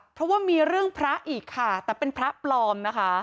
เพราะว่ามีเรื่องพระอีกค่ะแต่เป็นพระปลอมนะคะ